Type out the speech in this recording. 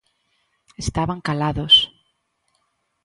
Estaban calados.